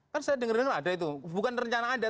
kan saya denger denger ada itu bukan rencana ada